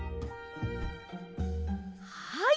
はい！